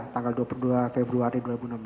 tanggal dua puluh dua februari dua ribu enam belas